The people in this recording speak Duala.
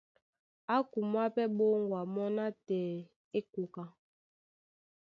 Á kumwá pɛ́ ɓóŋgwa mɔ́ nátɛɛ é koka.